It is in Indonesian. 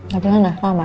tapi enak sama